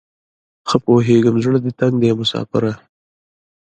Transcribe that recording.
ښه پوهیږم زړه دې تنګ دی مساپره